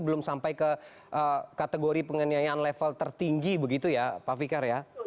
belum sampai ke kategori penganiayaan level tertinggi begitu ya pak fikar ya